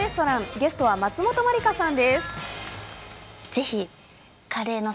ゲストは松本まりかさんです。